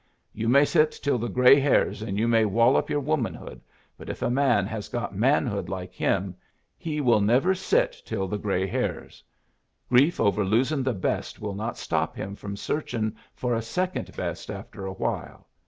You may sit till the gray hairs, and you may wall up your womanhood, but if a man has got manhood like him, he will never sit till the gray hairs. Grief over losin' the best will not stop him from searchin' for a second best after a while.